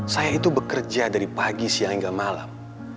saya itu bekerja dari pagi siang hingga malam